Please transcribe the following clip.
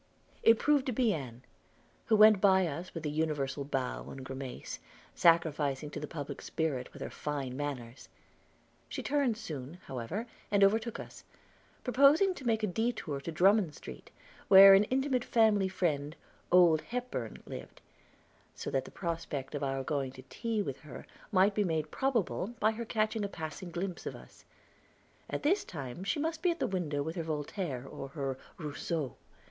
It proved to be Ann, who went by us with the universal bow and grimace, sacrificing to the public spirit with her fine manners. She turned soon, however, and overtook us, proposing to make a detour to Drummond Street, where an intimate family friend, "Old Hepburn," lived, so that the prospect of our going to tea with her might be made probable by her catching a passing glimpse of us; at this time she must be at the window with her Voltaire, or her Rousseau.